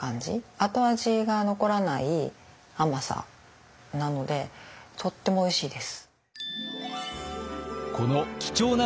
後味が残らない甘さなのでとってもおいしいです。